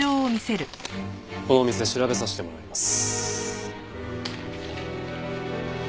この店調べさせてもらいます。